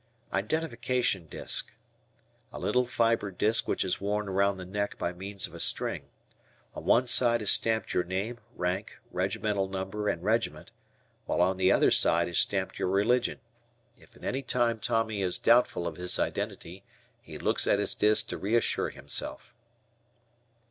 I Identification Disk. A little fiber disk which is worn around the neck by means of a string. On one side is stamped your name, rank, regimental number, and regiment, while on the other side is stamped your religion. If at any time Tommy is doubtful of his identity he looks at his disk to reassure himself.